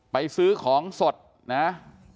ไปซื้อของสดนะ